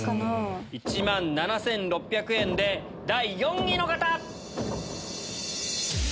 １万７６００円で第４位の方！